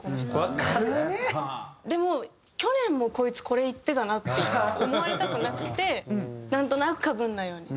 でも「去年もこいつこれ言ってたな」って思われたくなくてなんとなくかぶらないように。